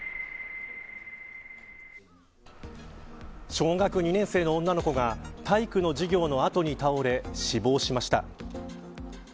小学２年生の女の子が体育の授業の後に倒れ死亡しました。